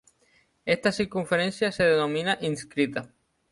Esta circunferencia se denomina inscrita.